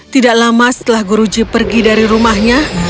tidak lama setelah guruji pergi dari rumahnya